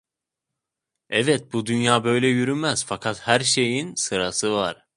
Evet, bu dünya böyle yürümez, fakat her şeyin sırası var…